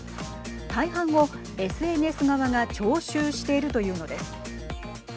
大半をＳＮＳ側が徴収しているというのです。